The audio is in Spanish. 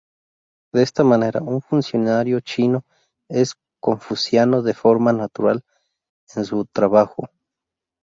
De esta manera, un funcionario chino es confuciano de forma natural en su trabajo.